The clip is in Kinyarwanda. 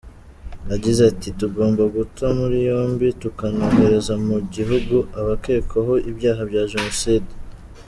Yagize ati “Tugomba guta muri yombi, tukanohereza mu gihugu abakekwaho ibyaha bya Jenoside.